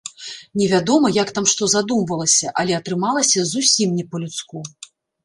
Невядома, як там што задумвалася, але атрымалася зусім не па-людску.